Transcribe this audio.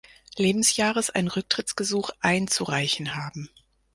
Lebensjahres ein Rücktrittsgesuch einzureichen haben.